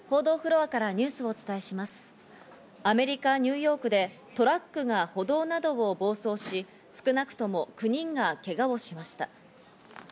アメリカ・ニューヨークでトラックが歩道などを暴走し、少なくとも９人がけがをしました。